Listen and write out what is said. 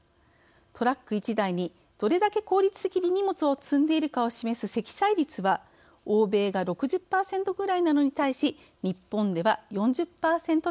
トラック１台にどれだけ効率的に荷物を積んでいるかを示す積載率は欧米が６０％ぐらいなのに対し日本では４０％足らず。